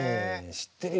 知ってるよ。